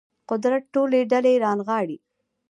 قدرت ټولې ډلې رانغاړي